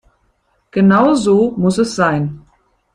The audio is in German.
Genau so muss es sein.